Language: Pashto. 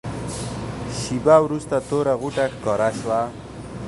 شېبه وروسته توره غوټه ښکاره شوه.